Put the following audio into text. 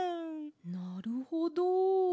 なるほど。